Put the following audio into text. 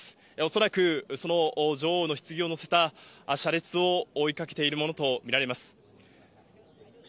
恐らくその女王のひつぎを乗せた車列を追いかけているものと見られます。